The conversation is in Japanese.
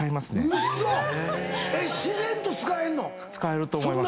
ウソ⁉使えると思いますね。